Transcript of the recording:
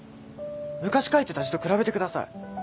昔書いてた字と比べてください。